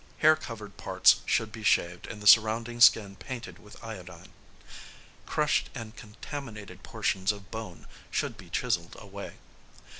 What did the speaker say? Hair covered parts should be shaved and the surrounding skin painted with iodine. Crushed and contaminated portions of bone should be chiselled away.